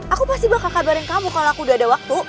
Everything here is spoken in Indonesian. aku pasti bakal kabarin kamu kalau aku udah ada waktu